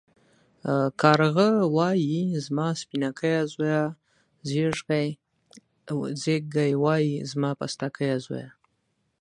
کارگه وايي زما سپينکيه زويه ، ځېږگى وايي زما پستکيه زويه.